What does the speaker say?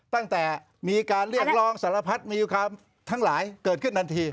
ตั้งแต่มีการเรียกร้องสารพัดมีความทั้งหลายเกิดขึ้นทันที